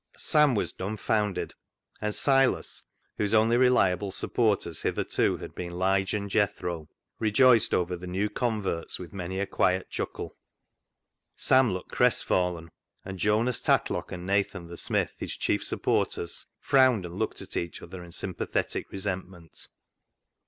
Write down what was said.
Sam was dumbfounded, and Silas, whose only reliable supporters hitherto had been Lige and Jethro, rejoiced over the new converts with many a quiet chuckle. Sam looked crestfallen, and Jonas Tatlock and Nathan the smith, his chief supporters, frowned and looked at each other in sympathetic resentment.